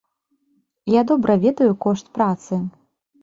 Я добра ведаю кошт працы.